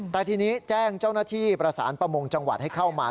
แต่ทีนี้แจ้งเจ้าหน้าที่ประสานประมงจังหวัดให้เข้ามา